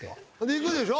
行くでしょ。